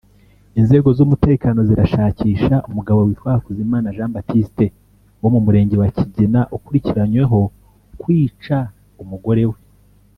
Inzego z’umutekano zirashakisha umugabo witwa Hakuzimana Jean Baptiste wo mu Murenge wa Kigina ukurikiranyweho kwica umugore we